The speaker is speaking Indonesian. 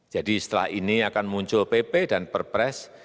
jadi setelah ini akan muncul pp dan perpres